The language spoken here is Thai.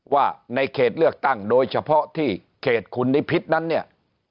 ว่าในเขตเลือกตั้งโดยเฉพาะที่เขตคุณนิพิษนั้นเนี่ย